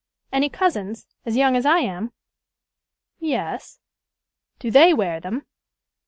"Any cousins as young as I am?" "Ya as." "Do they wear them?"